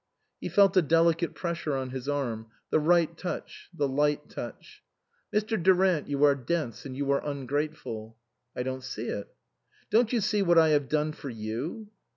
He felt a delicate pressure on his arm, the right touch, the light touch. " Mr. Durant, you are dense, and you are ungrateful." " I don't see it." " Don't you see what I have done for you?